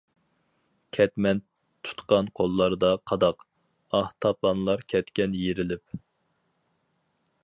كەتمەن تۇتقان قوللاردا قاداق، ئاھ تاپانلار كەتكەن يېرىلىپ.